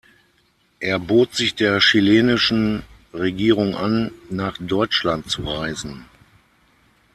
Er bot sich der chilenischen Regierung an, nach Deutschland zu reisen.